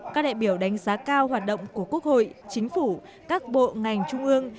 các đại biểu đánh giá cao hoạt động của quốc hội chính phủ các bộ ngành trung ương